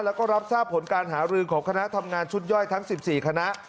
แล้วก็รับทราบผลการหารือของคณะทำงานชุดย่อยทั้ง๑๔คณะ